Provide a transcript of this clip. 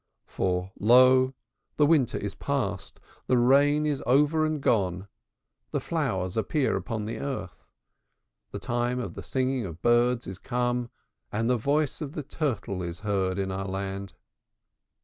For lo, the winter is past, the rain is over and gone; the flowers appear upon the earth; the time of the singing of birds is come and the voice of the turtle is heard in our land.